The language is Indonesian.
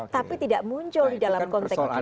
tapi tidak muncul di dalam kontek ham